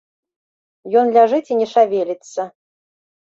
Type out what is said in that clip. Ён ляжыць і не шавеліцца.